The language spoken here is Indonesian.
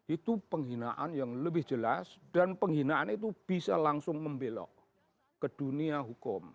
itu penghinaan yang lebih jelas dan penghinaan itu bisa langsung membelok ke dunia hukum